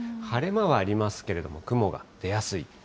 晴れ間はありますけれども、雲が出やすい、